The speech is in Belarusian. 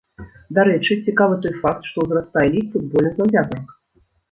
Дарэчы, цікавы той факт, што ўзрастае лік футбольных заўзятарак.